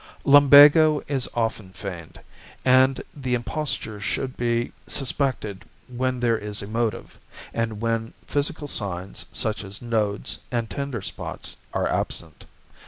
=Lumbago= is often feigned, and the imposture should be suspected when there is a motive, and when physical signs, such as nodes and tender spots, are absent.